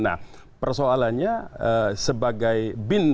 nah persoalannya sebagai bin